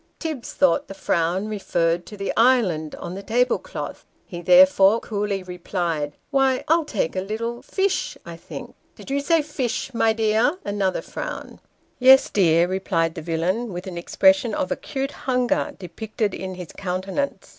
Tibbs thought the frown referred to the island on the table cloth ; he therefore coolly replied, " Why I'll take a little fish, I think." " Did you say fish, my dear ?" (another frown). " Yes, dear," replied the villain, with an expression of acute hunger Dinner and Dinner Talk. 211 depicted in his countenance.